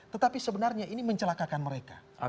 tetapi sebenarnya ini mencelakakan mereka